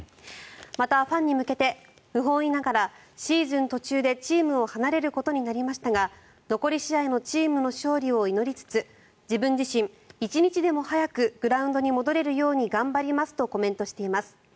またファンに向けて不本意ながらシーズン途中でチームを離れることになりましたが残り試合のチームの勝利を祈りつつ自分自身、一日でも早くグラウンドに戻れるように頑張りますとコメントしています。